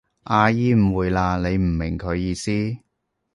阿姨誤會喇，你唔明佢意思？